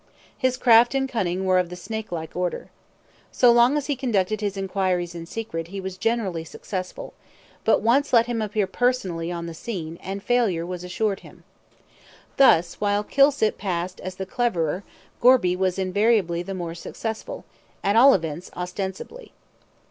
His craft and cunning were of the snake like order. So long as he conducted his enquiries in secret he was generally successful; but once let him appear personally on the scene, and failure was assured to him. Thus, while Kilsip passed as the cleverer, Gorby was invariably the more successful at all events, ostensibly.